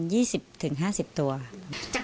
จากที่คุยกับลูกค้าอะไรอย่างนี้ค่ะ